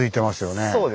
そうですね。